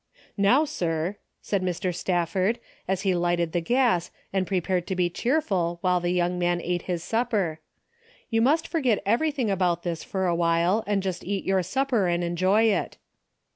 " Now, sir," said Mr. Stafford, as he lighted the gas and prepared to be cheerful while the young man ate his supper, "you must forget everything about this for a while, and just eat your supper and enjoy it."